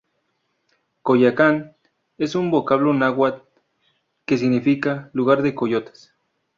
Coyoacán es un vocablo náhuatl que significa "Lugar de Coyotes".